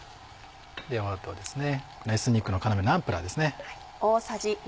ではあとはエスニックの要ナンプラーですね。